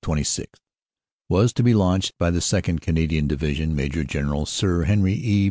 26 was to be launched by the 2nd. Canadian Division, Maj. General Sir Henry E.